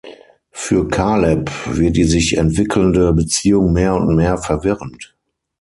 Für Caleb wird die sich entwickelnde Beziehung mehr und mehr verwirrend.